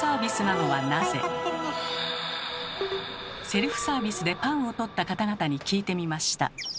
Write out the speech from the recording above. セルフサービスでパンを取った方々に聞いてみました。